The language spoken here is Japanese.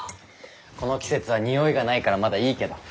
この季節はにおいがないからまだいいけど。